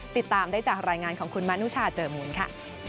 ติดตามได้จากรายงานของคุณมนุชาเจอมูลค่ะ